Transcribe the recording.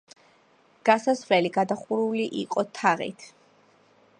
გასასვლელი გადახურული იყო თაღით.